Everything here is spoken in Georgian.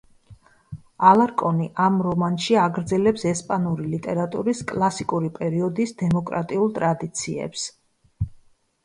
ალარკონი ამ რომანში აგრძელებს ესპანური ლიტერატურის კლასიკური პერიოდის დემოკრატიულ ტრადიციებს.